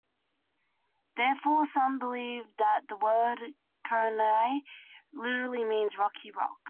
Therefore, some believe that the word Kranai literary means "rocky, rock".